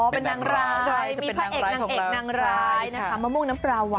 เป็นนางร้ายมีพระเอกนางเอกนางร้ายนะคะมะม่วงน้ำปลาวา